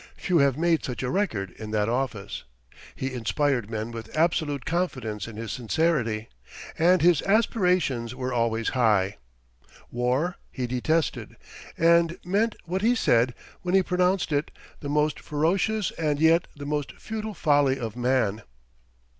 Few have made such a record in that office. He inspired men with absolute confidence in his sincerity, and his aspirations were always high. War he detested, and meant what he said when he pronounced it "the most ferocious and yet the most futile folly of man."